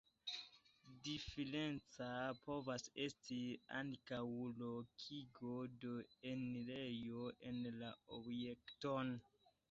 Diferenca povas esti ankaŭ lokigo de enirejo en la objekton.